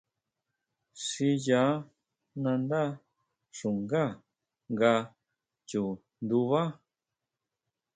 Xiya nandá xungá nga chu ndunbá.